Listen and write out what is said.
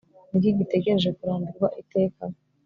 Ni iki gitegereje kurambirwa iteka